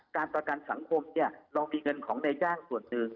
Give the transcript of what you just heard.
การต่อการสังคมเรามีเงินของในจ้างส่วนนึง